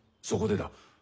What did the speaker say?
そこでだ。